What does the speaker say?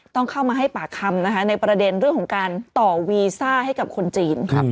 ต้องเข้ามาให้ปากคำนะคะในประเด็นเรื่องของการต่อวีซ่าให้กับคนจีน